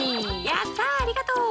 やったありがとう。